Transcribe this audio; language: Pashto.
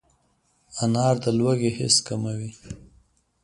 انار د لوږې حس کموي.